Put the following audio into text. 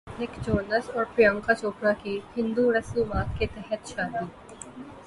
نک جونس اور پریانکا چوپڑا کی ہندو رسومات کے تحت شادی